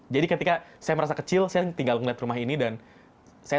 jadi ketika saya merasa kecil saya tinggal melihat rumah saya